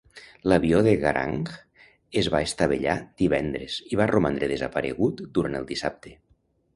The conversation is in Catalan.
L'avió de garang es va estavellar divendres i va romandre "desaparegut" durant el dissabte.